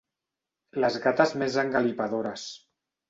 Les gates més engalipadores.